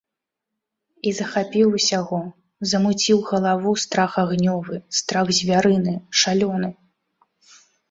І захапіў усяго, замуціў галаву страх агнёвы, страх звярыны, шалёны.